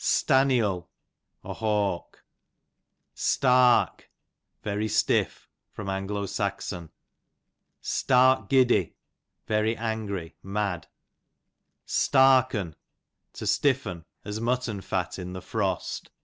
Stanniel, a hawk. Stark, very stiff. A. S. Stark giddy, I'oy angry, mad. Stark'en, to stiffen, as mutton fat in the frost.